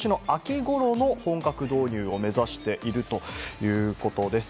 今年の秋頃をめどに本格導入を目指しているということです。